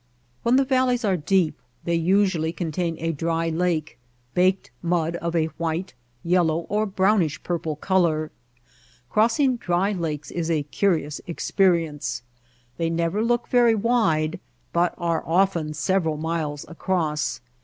When the valleys are deep they usually con How We Found Mojave tain a dry lake, baked mud of a white, yellow, or brownish purple color. Crossing dry lakes is a curious experience. They never look very wide, but are often several miles across.